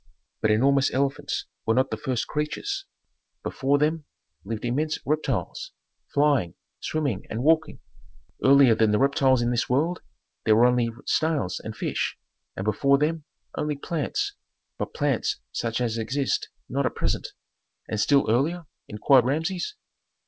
"But enormous elephants were not the first creatures. Before them lived immense reptiles: flying, swimming, and walking. Earlier than the reptiles in this world there were only snails and fish, and before them only plants, but plants such as exist not at present." "And still earlier?" inquired Rameses.